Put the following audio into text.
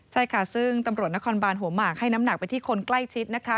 ใช่ค่ะซึ่งตำรวจนครบานหัวหมากให้น้ำหนักไปที่คนใกล้ชิดนะคะ